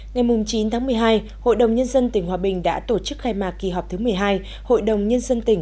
ngày chín tháng một mươi hai hội đồng nhân dân tỉnh hòa bình đã tổ chức khai mạc kỳ họp thứ một mươi hai hội đồng nhân dân tỉnh